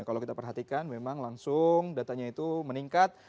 kalau kita perhatikan memang langsung datanya itu meningkat